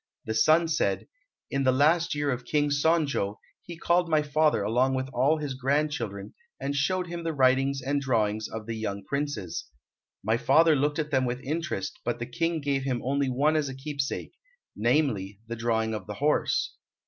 The son said, "In the last year of King Son jo he called my father along with all his grandchildren, and showed him the writings and drawings of the young princes. My father looked at them with interest, but the King gave him only one as a keepsake, namely, the drawing of the horse."